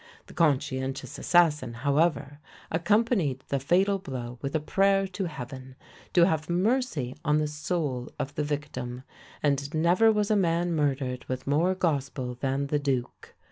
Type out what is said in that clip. The conscientious assassin, however, accompanied the fatal blow with a prayer to Heaven, to have mercy on the soul of the victim; and never was a man murdered with more gospel than the duke.